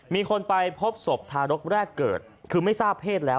มีคนไปพบศพทารกแรกเกิดคือไม่ทราบเพศแล้ว